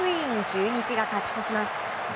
中日が勝ち越します。